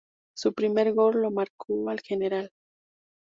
Su primer gol lo marcó al Gral.